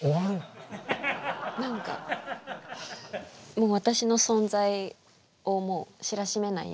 もう私の存在をもう知らしめないように。